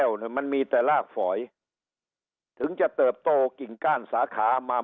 มันมีแต่รากฝอยถึงจะเติบโตกิ่งก้านสาขามา